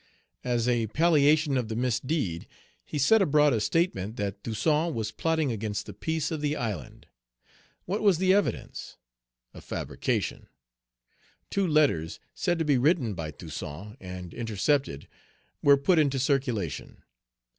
As a palliation of the misdeed, he set abroad a statement that Toussaint was plotting against the peace of the island. What was the evidence? A fabrication. Two letters, said to be written by Toussaint, and intercepted, were put into circulation.